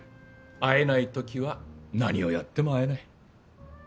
会えない時は何をやっても会えない。